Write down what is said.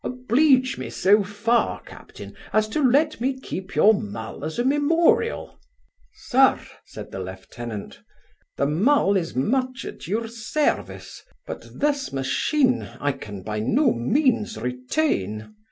Oblige me so far, captain, as to let me keep your mull as a memorial.' 'Sir (said the lieutenant), the mull is much at your service; but this machine I can by no means retain.